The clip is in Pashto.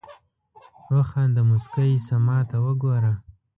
وخانده مسکی شه ماته وګوره